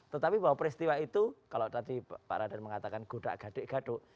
tetapi bahwa peristiwa itu kalau tadi pak radar mengatakan godak gadek gaduk